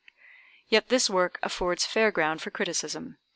Yet this work affords fair ground for criticism.